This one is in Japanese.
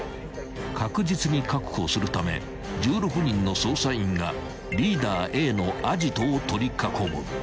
［確実に確保するため１６人の捜査員がリーダーＡのアジトを取り囲む］